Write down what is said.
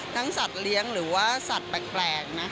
สัตว์เลี้ยงหรือว่าสัตว์แปลก